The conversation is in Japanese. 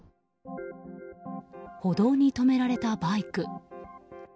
歩道に止められたバイク。